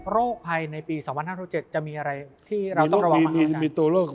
โรคใครในปี๒๐๕๗จะมีอะไรที่เราต้องระวังมาก